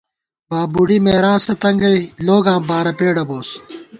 بابُوڈی میراثہ تنگئی لوگاں بارہ پېڈہ بوس